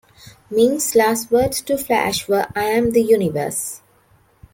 Ming's last words to Flash were I am the universe!